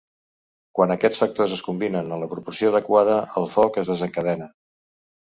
Quan aquests factors es combinen en la proporció adequada, el foc es desencadena.